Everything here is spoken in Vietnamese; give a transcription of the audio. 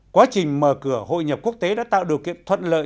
quá trình mở cửa hội nhập quốc tế đã tạo được kiệp thuận lợi